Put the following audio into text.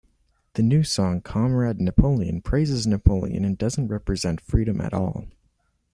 The new song "Comrade Napoleon" praises Napoleon and doesn't represent freedom at all.